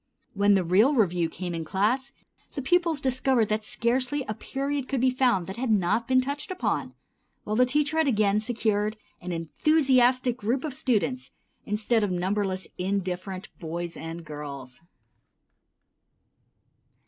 When the real review came in class, the pupils discovered that scarcely a period could be found that had not been touched upon, while the teacher had again secured an enthusiastic group of students instead of numberless indifferent boys and girls.